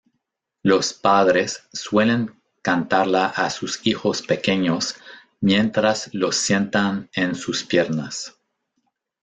Los padres suelen cantarla a sus hijos pequeños mientras los sientan en sus piernas.